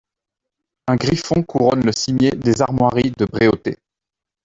Un griffon couronne le cimier des armoiries de Bréauté.